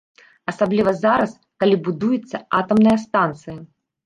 Асабліва зараз, калі будуецца атамная станцыя.